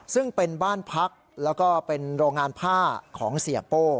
ซึ่งเป็นบ้านพักแล้วก็เป็นโรงงานผ้าของเสียโป้